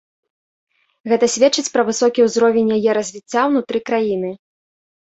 Гэта сведчыць пра высокі ўзровень яе развіцця ўнутры краіны.